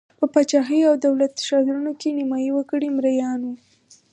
په پاچاهیو او دولت ښارونو کې نیمايي وګړي مریان وو.